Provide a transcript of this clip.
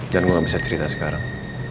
dan gue nggak bisa cerita sekarang